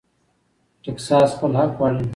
ټیکساس خپل حق غواړي.